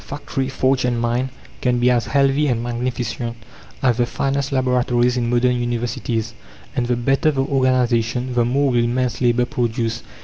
Factory, forge and mine can be as healthy and magnificent as the finest laboratories in modern universities, and the better the organization the more will man's labour produce.